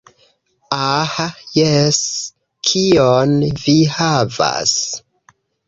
Ah jes, kion vi havas?